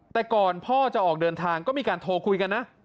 แต่ก่อนพ่อจะออกเดินทางก็มีการโทรคุยกันนะ